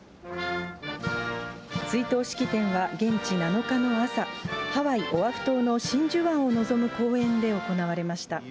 追悼式典は、現地７日の朝、ハワイ・オアフ島の真珠湾を望む公園で行われました。